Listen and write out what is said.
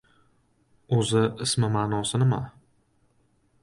O‘zi, ismi ma’nosi nima?